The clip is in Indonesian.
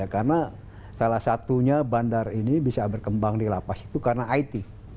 karena salah satunya bandar ini bisa berkembang di lapas itu karena it